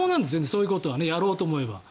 そういうことはやろうと思えば。